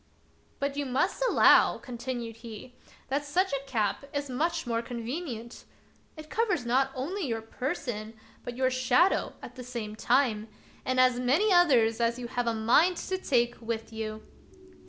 " But you must allow," continued he, " that such a cap is much more convenient. It covers not only your person, but your shadow at the same 72 The Wonderful History time, and as many others as you have a mind to take with you.